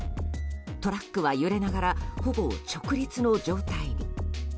トラックは揺れながらほぼ直立の状態に。